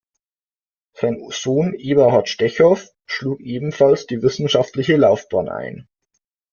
Sein Sohn Eberhard Stechow schlug ebenfalls die wissenschaftliche Laufbahn ein.